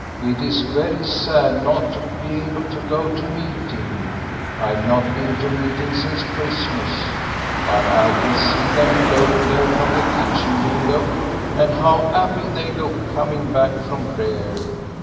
It is very sad not to be able to go to meeting. I've not been to meeting since Christmas, but I can see them going there from the kitchen window, and how 'appy they look coming back from prayer.